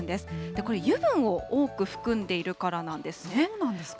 これ、油分を多く含んでいるからなんですね。